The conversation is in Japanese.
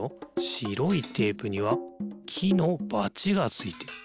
しろいテープにはきのバチがついてる。